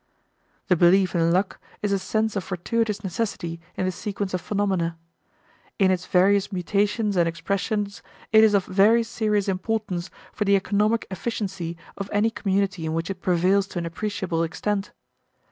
The belief in luck is a sense of fortuitous necessity in the sequence of phenomena. In its various mutations and expressions, it is of very serious importance for the economic efficiency of any community in which it prevails to an appreciable extent.